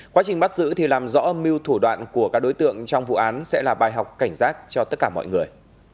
quá trình bắt giữ thì làm rõ âm mưu thủ đoạn của các đối tượng trong vụ án sẽ là bài học cảnh giác cho tất cả mọi người